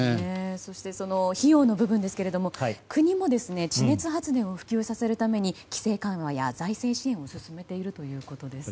そして、費用の部分ですが国も地熱発電を普及させるために規制緩和や財政支援を進めているということです。